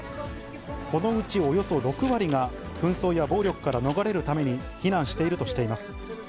このうちおよそ６割が、紛争や暴力から逃れるために避難しているとしています。